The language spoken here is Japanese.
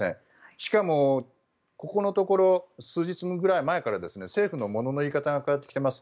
しかも、ここのところ数日ぐらい前から政府のものの言い方が変わってきています。